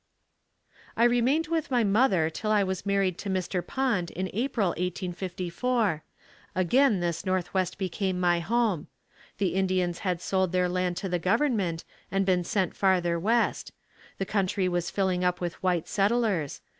I remained with my mother till I was married to Mr. Pond in April 1854. Again this northwest became my home. The Indians had sold their land to the government and been sent farther west. The country was filling up with white settlers.